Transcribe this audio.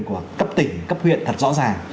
của cấp tỉnh cấp huyện thật rõ ràng